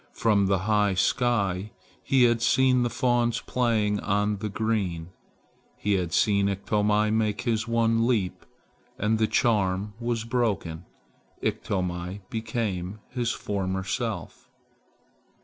From the high sky he had seen the fawns playing on the green. He had seen Iktomi make his one leap, and the charm was broken. Iktomi became his former self.